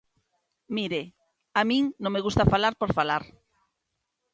Mire, a min non me gusta falar por falar.